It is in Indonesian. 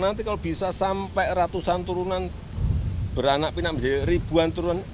nanti kalau bisa sampai ratusan turunan beranak pinak menjadi ribuan turunan